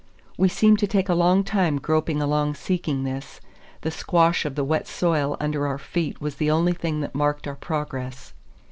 We seemed to take a long time groping along seeking this; the squash of the wet soil under our feet was the only thing that marked our progress.